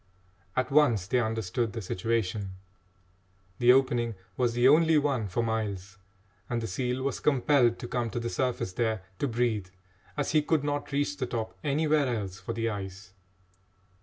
At once they understood the situation. The opening was the only one for miles, and the seal was compelled to come to the surface there to breathe, as he could not reach the top anywhere else for the ice.